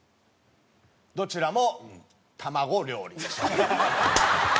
どちらも卵料理でしょう。